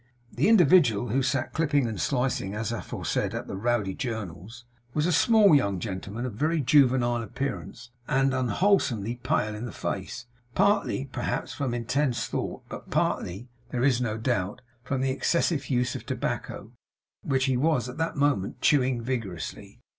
The individual who sat clipping and slicing as aforesaid at the Rowdy Journals, was a small young gentleman of very juvenile appearance, and unwholesomely pale in the face; partly, perhaps, from intense thought, but partly, there is no doubt, from the excessive use of tobacco, which he was at that moment chewing vigorously.